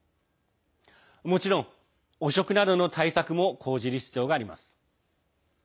もちろん、汚職などの対策も講じる必要があります。